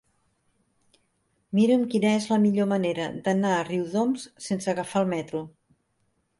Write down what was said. Mira'm quina és la millor manera d'anar a Riudoms sense agafar el metro.